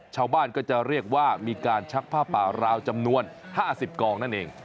ชาวบ้านก็จะเรียกว่ามีการชักผ้าป่าราวจำนวน๕๐กองนั่นเอง